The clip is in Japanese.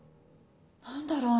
何だろう？